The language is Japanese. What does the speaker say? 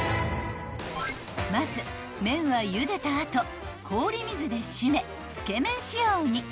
［まず麺はゆでた後氷水で締めつけ麺仕様に］